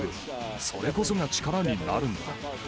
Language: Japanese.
それこそが力になるんだ。